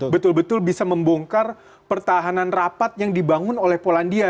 betul betul bisa membongkar pertahanan rapat yang dibangun oleh polandia